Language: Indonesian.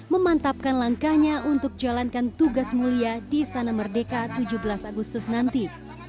memantapkan langkahnya untuk jalankan tugas mulia di istana merdeka tujuh belas agustus nanti